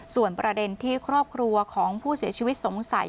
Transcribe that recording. ส่วนประเด็นที่ครอบครัวของผู้เสียชีวิตสงสัย